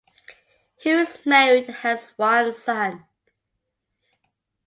Hou is married and has one son.